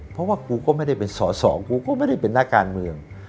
เพราะว่ากูไม่ได้เป็นสตกูไม่ได้พูดเป็นหน้าการเมือง